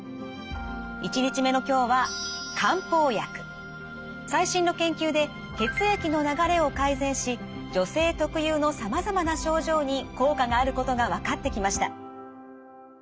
１日目の今日は最新の研究で血液の流れを改善し女性特有のさまざまな症状に効果があることが分かってきました。